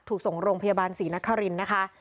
ถูกส่งโรงพยาบาลศรีนครินทร์นะคะ